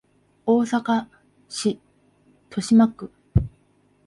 大阪市都島区